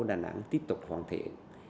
thành phố đà nẵng tiếp tục hoàn thiện